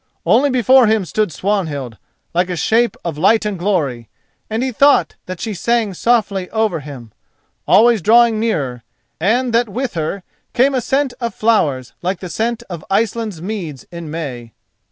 Only before him stood Swanhild like a shape of light and glory, and he thought that she sang softly over him, always drawing nearer, and that with her came a scent of flowers like the scent of the Iceland meads in May.